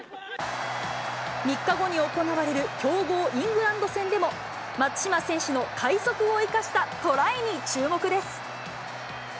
３日後に行われる強豪、イングランド戦でも松島選手の快足を生かしたトライに注目です。